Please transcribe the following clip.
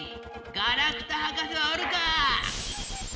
ガラクタ博士はおるかぁ！